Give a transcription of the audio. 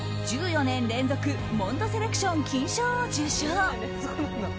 １４年連続モンドセレクション金賞を受賞。